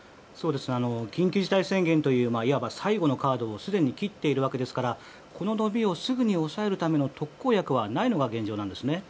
緊急事態宣言といういわば最後のカードをすでに切っているわけですからこの伸びをすぐに抑えるための特効薬はないのが現状なんですね。